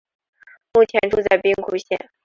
目前住在兵库县。